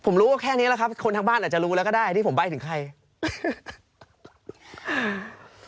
ผมรู้ว่าแค่นี้แหละครับคนทั้งบ้านอาจจะรู้แล้วก็ได้ที่ผมใบ้ถึงใครอ่า